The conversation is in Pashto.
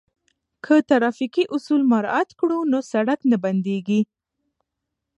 که ترافیکي اصول مراعات کړو نو سړک نه بندیږي.